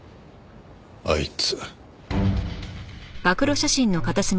あいつ。